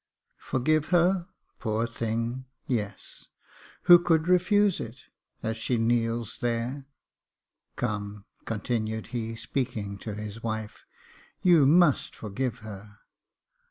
" Forgive her, poor thing — yes ; who could refuse it, as she kneels there ? Come," continued he, speaking to his wife, " you must forgive her.